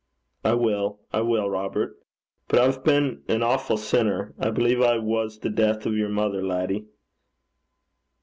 'I will, I will, Robert. But I've been an awfu' sinner. I believe I was the death o' yer mother, laddie.'